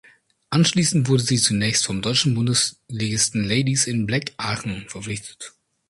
Anschließend wurde sie zunächst vom deutschen Bundesligisten Ladies in Black Aachen verpflichtet.